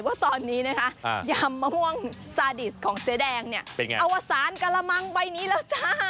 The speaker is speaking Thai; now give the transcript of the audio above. ว่าตอนนี้นะคะยำมะม่วงซาดิสของเจ๊แดงเนี่ยอวสารกระมังใบนี้แล้วจ้า